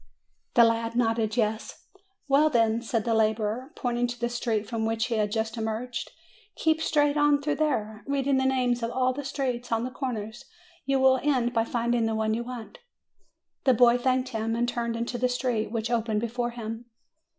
The lad nodded, "Yes." "Well, then," said the laborer, pointing to the street from which he had just emerged, "keep straight on through there, reading the names of all the streets on the corners ; you will end by finding the one you want." The boy thanked him, and turned into the street which opened before him.